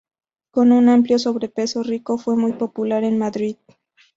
Con un amplio sobrepeso, Rico fue muy popular en Madrid.